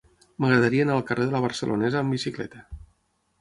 M'agradaria anar al carrer de La Barcelonesa amb bicicleta.